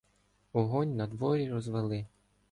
Огонь надворі розвели